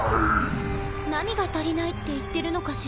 何が足りないって言ってるのかしら？